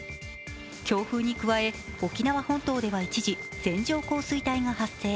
強風に加え沖縄本島では一時線状降水帯が発生。